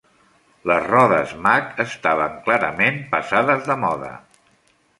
Les rodes Mag estaven clarament passades de moda.